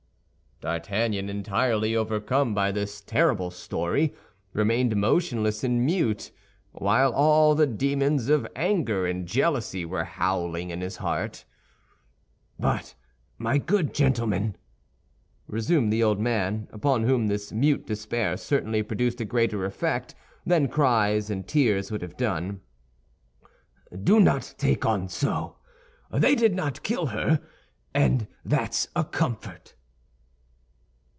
D'Artagnan, entirely overcome by this terrible story, remained motionless and mute, while all the demons of anger and jealousy were howling in his heart. "But, my good gentleman," resumed the old man, upon whom this mute despair certainly produced a greater effect than cries and tears would have done, "do not take on so; they did not kill her, and that's a comfort."